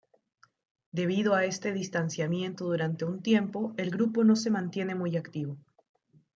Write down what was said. Debido a este distanciamiento durante un tiempo el grupo no se mantiene muy activo.